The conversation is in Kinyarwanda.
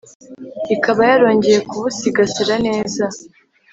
ikaba yarongeye kubusigasira neza.”